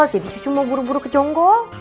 jadi cucu mau buru buru ke jonggo